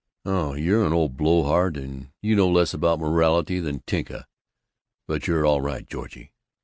"Oh, you're an old blowhard, and you know less about morality than Tinka, but you're all right, Georgie.